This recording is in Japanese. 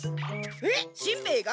えっしんべヱが？